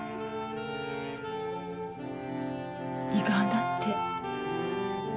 胃がんだって。